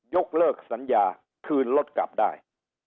ยกเลิกสัญญาคืนรถกลับได้